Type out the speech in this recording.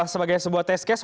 sebagai sebuah test case